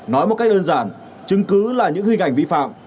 nói một cách đơn giản chứng cứ là những hình ảnh vi phạm